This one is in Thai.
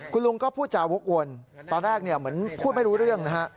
คุณลุงก็พูดจาวกวนตอนแรกเหมือนพูดไม่รู้เรื่องนะฮะ